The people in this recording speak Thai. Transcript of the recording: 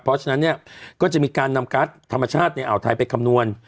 เพราะฉะนั้นเนี่ยก็จะมีการนำการ์ดธรรมชาติในอ่าวไทยไปคำนวณ